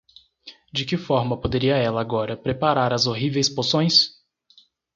De que forma poderia ela agora preparar as horríveis poções?